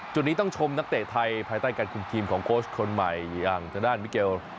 จุดนี้ต้องชมนักเตะไทยภายใต้การคุมทีมของโค้ชคนใหม่อย่างทางด้านมิเกล